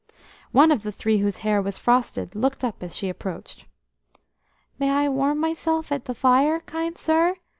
One of the three whose hair was frosted looked up as she approached. "May I warm myself at the fire, kind sir?"